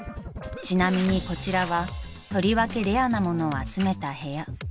［ちなみにこちらはとりわけレアなものを集めた部屋］